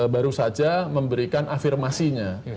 baru saja memberikan afirmasinya